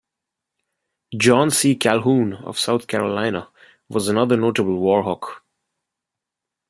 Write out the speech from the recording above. John C. Calhoun of South Carolina was another notable War Hawk.